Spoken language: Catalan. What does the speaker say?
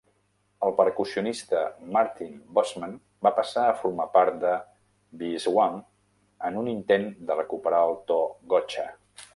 El percussionista Martijn Bosman va passar a formar part de Beeswamp en un intent de "recuperar el to Gotcha!".